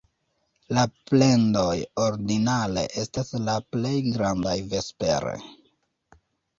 La plendoj ordinare estas la plej grandaj vespere.